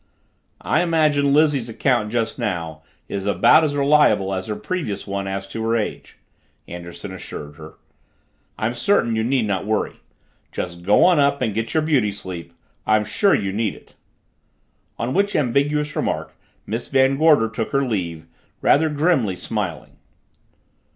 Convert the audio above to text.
"I imagine Lizzie's account just now is about as reliable as her previous one as to her age," Anderson assured her. "I'm certain you need not worry. Just go on up and get your beauty sleep; I'm sure you need it." On which ambiguous remark Miss Van Gorder took her leave, rather grimly smiling.